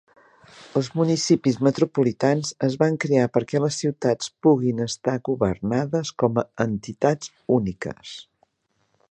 Els municipis metropolitans es van crear perquè les ciutats puguin estar governades com a entitats úniques.